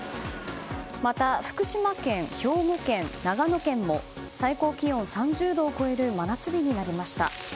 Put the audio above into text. また福島県、兵庫県、長野県も最高気温３０度を超える真夏日になりました。